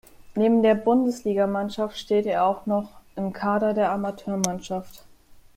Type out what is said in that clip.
Neben der Bundesliga-Mannschaft steht er auch noch im Kader der Amateurmannschaft.